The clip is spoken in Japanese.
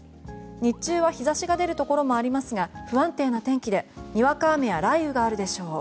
日中は日差しが出るところもありますが不安定な天気でにわか雨や雷雨があるでしょう。